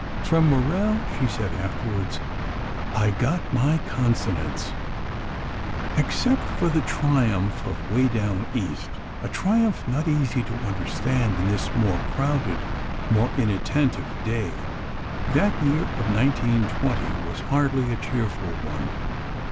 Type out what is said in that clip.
"From Maurel," she said afterwards, "I got my consonants." Except for the triumph of "Way Down East," a triumph not easy to understand in this more crowded, more inattentive day, that year of 1920 was hardly a cheerful one.